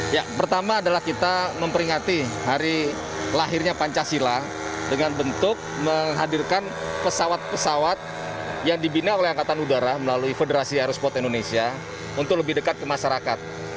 ya pertama adalah kita memperingati hari lahirnya pancasila dengan bentuk menghadirkan pesawat pesawat yang dibina oleh angkatan udara melalui federasi aerospot indonesia untuk lebih dekat ke masyarakat